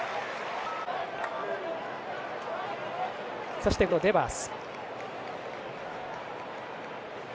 そして５番のデバース。